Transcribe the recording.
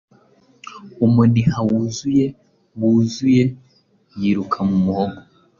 Umuniha wuzuye wuzuye yiruka mu muhogo.